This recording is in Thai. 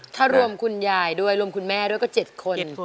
ถ้ารวมคุณยายด้วยรวมคุณแม่ด้วยก็๗คน